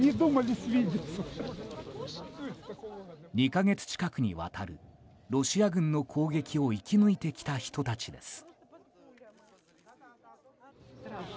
２か月近くにわたるロシア軍の攻撃を生き抜いてきた人たちです。